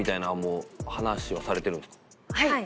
はい。